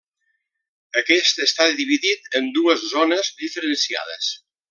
Aquest està dividit en dues zones diferenciades.